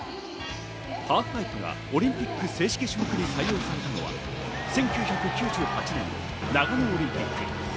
ハーフパイプがオリンピック正式種目に採用されたのは１９９８年の長野オリンピック。